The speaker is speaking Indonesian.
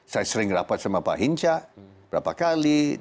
saya sering rapat sama pak hinca berapa kali